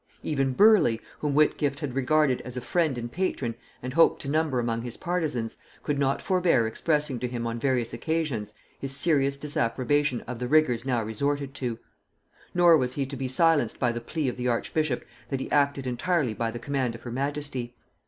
Even Burleigh, whom Whitgift had regarded as a friend and patron and hoped to number among his partisans, could not forbear expressing to him on various occasions his serious disapprobation of the rigors now resorted to; nor was he to be silenced by the plea of the archbishop, that he acted entirely by the command of her majesty.